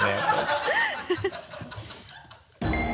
ハハハ